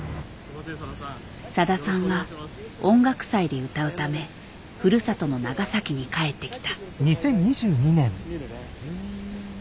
さださんは音楽祭で歌うためふるさとの長崎に帰ってきた。